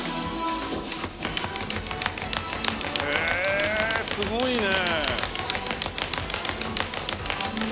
ええすごいね！